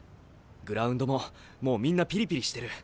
グラウンドももうみんなピリピリしてる。